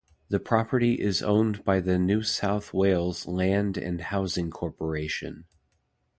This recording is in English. The property is owned by the New South Wales Land and Housing Corporation.